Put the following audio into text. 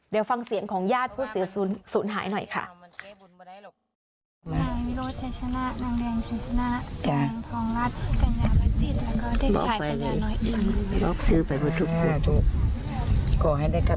เดี๋ยวฟังเสียงของญาติผู้สูญหายหน่อยค่ะ